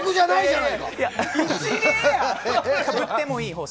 かぶってもいい法則。